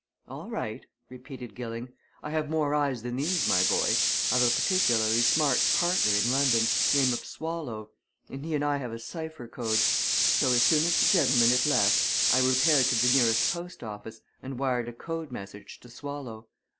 "All right," repeated Gilling. "I have more eyes than these, my boy! I've a particularly smart partner in London name of Swallow and he and I have a cypher code. So soon as the gentleman had left, I repaired to the nearest post office and wired a code message to Swallow.